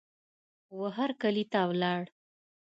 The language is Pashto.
وهرکلې ته ولاړ